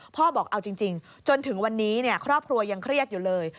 พ่อบอกเอาจริงจนถึงวันนี้ครอบครัวยังเครียดอยู่เลย